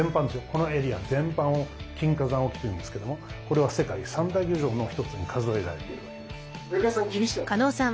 このエリア全般を金華山沖というんですけどもこれは世界３大漁場の一つに数えられているわけです。